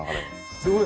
すごい。